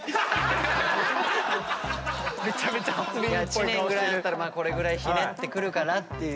知念ぐらいだったらこれぐらいひねってくるかなっていう。